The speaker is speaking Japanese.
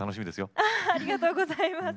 ありがとうございます。